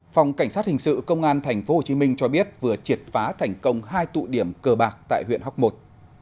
phòng cảnh sát hình sự công an tp hcm cho biết vừa triệt phá thành công hai tụ điểm cờ bạc tại huyện hóc môn